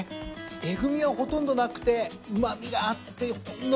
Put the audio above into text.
えぐみはほとんどなくてうま味があってほんのり甘くて。